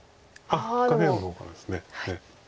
下辺の方からです。